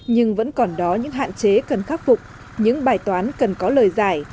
nhưng vẫn còn đó những hạn chế cần khắc phục những bài toán cần có lời giải